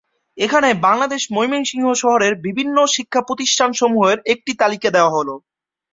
এখানে বাংলাদেশ ময়মনসিংহ শহরের বিভিন্ন শিক্ষা প্রতিষ্ঠানসমূহের একটি তালিকা দেয়া হল।